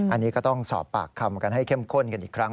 อันนี้ก็ต้องสอบปากคำกันให้เข้มข้นกันอีกครั้ง